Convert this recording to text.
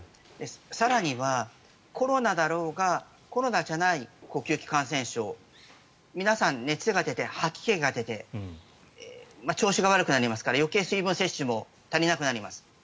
更にはコロナだろうがコロナじゃない呼吸器感染症皆さん、熱が出て、吐き気が出て調子が悪くなりますから余計水分摂取も足りなくなります。